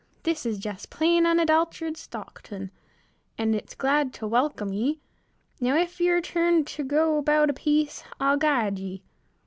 This is jest plain unadulterated Stockton, and it's glad ter welcome ye. Now, if ye're trim ter go about a piece, I'll guide ye."